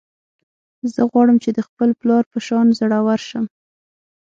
زه غواړم چې د خپل پلار په شان زړور شم